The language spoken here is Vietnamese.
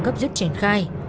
cấp giúp triển khai